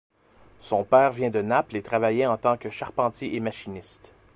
Son père vient de Naples et travaillait en tant que charpentier et machiniste.